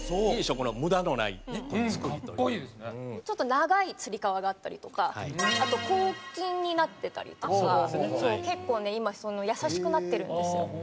ちょっと長いつり革があったりとかあと抗菌になってたりとか結構ね今優しくなってるんですよ。